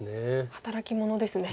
働き者ですね。